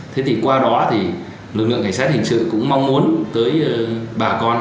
thế thì qua đó thì lực lượng cảnh sát hình sự cũng mong muốn tới bà con